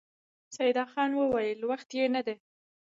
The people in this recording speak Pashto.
سيدال خان وويل: وخت يې نه دی؟